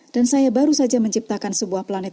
dan saya baru saja menciptakan sebuah planet